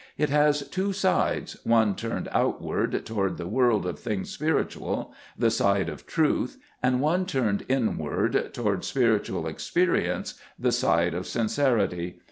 It has two sides, — one turned outward toward the world of things spiritual, the side of truth, and one turned inward toward spiritual experience,, the side of sincerity.